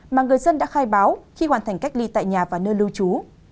mà người dân đã khai báo khi hoàn thành cách ly tại nhà và nơi lưu trú